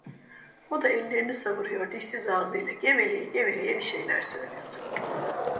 O da ellerini savuruyor, dişsiz ağzıyla geveleye geveleye bir şeyler söylüyordu.